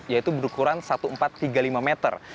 yaitu berukuran seribu empat ratus tiga puluh lima meter